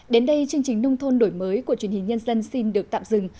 đến đây chương trình nông thôn đổi mới của truyền hình nhân dân xin được tạm dừng